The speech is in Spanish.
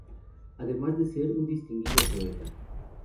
Además de ser un distinguido poeta.